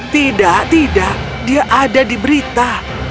tidak tidak dia ada di berita